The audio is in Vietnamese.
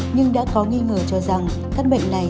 nhưng đã có nghi ngờ cho rằng căn bệnh này